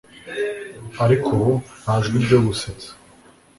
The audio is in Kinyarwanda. Ariko ubu nta jwi ryo gusetsa